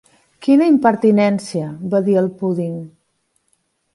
"Quina impertinència!", va dir el púding.